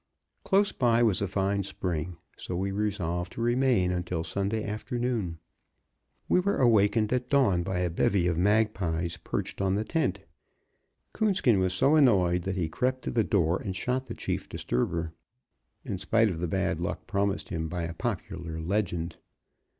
Close by was a fine spring, so we resolved to remain until Sunday afternoon. We were awakened at dawn by a bevy of magpies perched on the tent; Coonskin was so annoyed that he crept to the door and shot the chief disturber, in spite of the bad luck promised him by a popular legend.